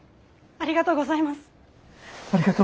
ありがとうございます。